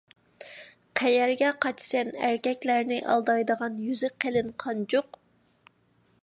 قەيەرگە قاچىسەن، ئەركەكلەرنى ئالدايدىغان يۈزى قېلىن قانجۇق!